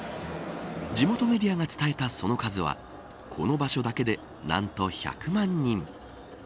地元メディアが伝えたその数はこの場所だけで何と１００万人。